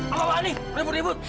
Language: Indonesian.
apaan nih rebut rebut